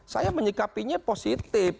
saya menyikapinya positif